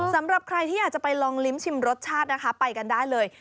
สำหรับใครที่อยากจะไปลองลิ้มชิมรสชาตินะคะไปกันได้เลย